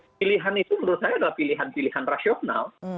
pilihan itu menurut saya adalah pilihan pilihan rasional